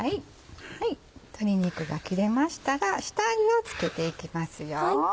鶏肉が切れましたら下味を付けていきますよ。